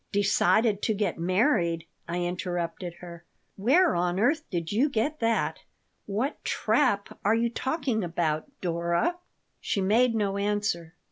"Decided to get married?" I interrupted her. "Where on earth did you get that? What 'trap' are you talking about, Dora?" She made no answer.